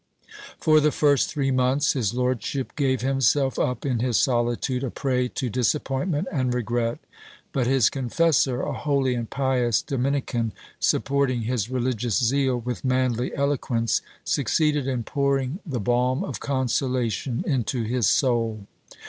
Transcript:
For the first three months, his lordship gave himself up in his solitude a prey to disappointment and regret : but his confessor, a holy and pious Dominican, supporting his religious zeal with manly eloquence, succeeded in pouring the balm of consolation into his soul.